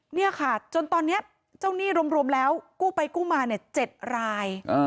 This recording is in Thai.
นี่ค่ะจนตอนนี้เจ้าหนี้รวมแล้วกู้ไปกู้มาเนี่ย๗ราย